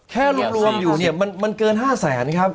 แค่รวมอยู่เนี่ยมันเกิน๕แสนครับ